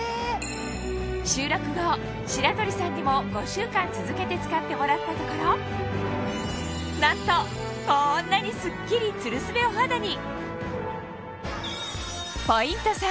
収録後白鳥さんにも５週間続けて使ってもらったところなんとこんなにスッキリツルスベお肌に！